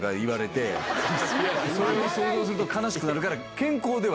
それを想像すると悲しくなるから。